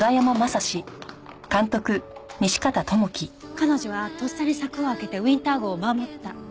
彼女はとっさに柵を開けてウィンター号を守った。